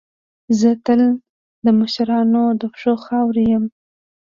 زه تل د مشرانو د پښو خاوره یم.